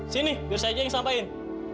sini biar saya aja yang sampaikan